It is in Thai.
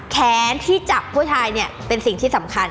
แค้นที่จับผู้ชายเนี่ยเป็นสิ่งที่สำคัญ